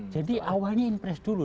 jadi awalnya impress dulu